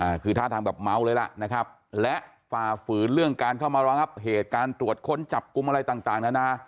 อ่าคือท่าทางแบบเมาเลยล่ะนะครับและฝ่าฝืนเรื่องการเข้ามาระงับเหตุการตรวจค้นจับกลุ่มอะไรต่างต่างนานา